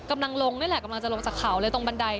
กำลังลงนี่แหละกำลังจะลงจากเขาเลยตรงบันได